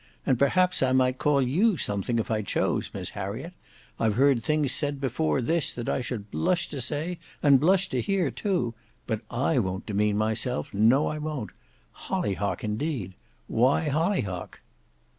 And perhaps I might call you something if I chose, Miss Harriet; I've heard things said before this, that I should blush to say, and blush to hear too. But I won't demean myself, no I won't. Holly hock, indeed! Why holly hock?"